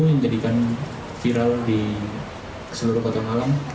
yang jadikan viral di seluruh kota malang